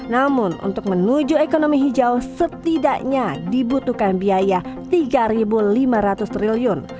namun untuk menuju ekonomi hijau setidaknya dibutuhkan biaya rp tiga lima ratus triliun